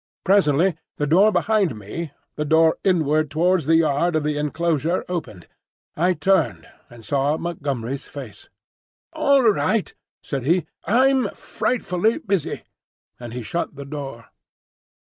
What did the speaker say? Presently the door behind me—the door inward towards the yard of the enclosure—opened. I turned and saw Montgomery's face. "All right," said he. "I'm frightfully busy." And he shut the door.